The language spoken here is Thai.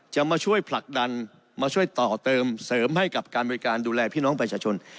จะมาช่วยผลักดันมาช่วยต่อเติมเสริมให้กับการบริการดูแลพี่น้องประชาชน